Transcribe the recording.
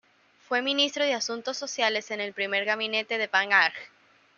Fue Ministro de Asuntos Sociales en el primer gabinete de Van Agt.